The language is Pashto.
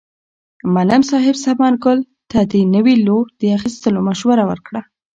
معلم صاحب ثمر ګل ته د نوي لور د اخیستلو مشوره ورکړه.